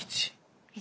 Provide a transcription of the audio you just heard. １。